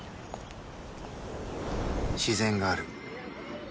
自然がある